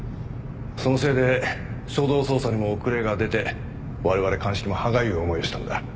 そのせいで初動捜査にも遅れが出て我々鑑識も歯がゆい思いをしたんだ。